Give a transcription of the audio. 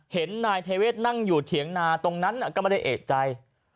เห็นนายเทเวศนั่งอยู่เถียงนาตรงนั้นก็ไม่ได้เอกใจ